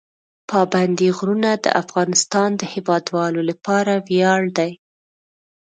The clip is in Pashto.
پابندی غرونه د افغانستان د هیوادوالو لپاره ویاړ دی.